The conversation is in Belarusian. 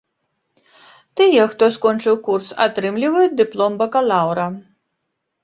Тыя, хто скончыў курс, атрымліваюць дыплом бакалаўра.